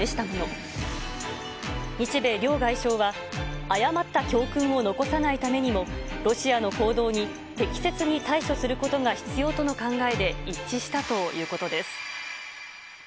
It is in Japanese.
日米両外相は、誤った教訓を残さないためにも、ロシアの行動に適切に対処することが必要との考えで一致したということです。